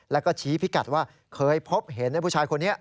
แล้วก็ชี้พิกัดว่าเคยพบเห็นผู้ชายคนนี้